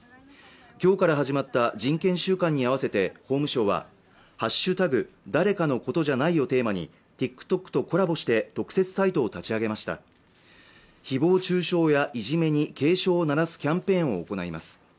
今日から始まった人権週間に合わせて法務省は「＃誰かのことじゃない」をテーマにＴｉｋＴｏｋとコラボして特設サイトを立ち上げました誹謗中傷やいじめに警鐘を鳴らすキャンペーンを行います